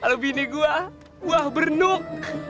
kalau bini gue buah bernuk